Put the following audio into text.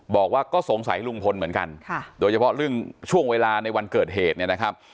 บอกว่าก็สงสัยลุงพลเหมือนกันโดยเฉพาะเรื่องช่วงเวลาในวันเกิดเหตุเนี่ยนะครับ